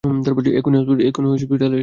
এক্ষুনি হসপিটালে আসো।